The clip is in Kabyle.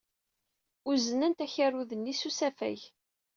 Uznent akerrud-nni s usafag.